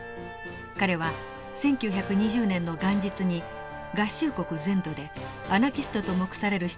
彼は１９２０年の元日に合衆国全土でアナキストと目される人々４，０００人を検挙します。